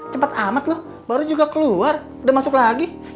cepat amat loh baru juga keluar udah masuk lagi